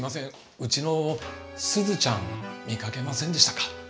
ウチのすずちゃん見かけませんでしたか？